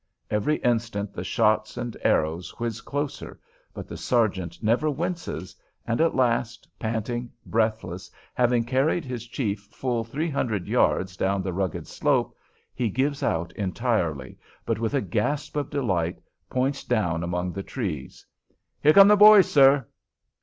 Every instant the shots and arrows whiz closer, but the sergeant never winces, and at last, panting, breathless, having carried his chief full three hundred yards down the rugged slope, he gives out entirely, but with a gasp of delight points down among the trees: "Here come the boys, sir."